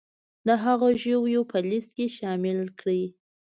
د هغو ژویو په لیست کې شامل کړي